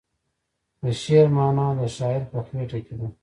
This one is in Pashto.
د شعر معنی د شاعر په خیټه کې ده .